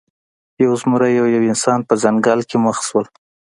یو زمری او یو انسان په ځنګل کې مخ شول.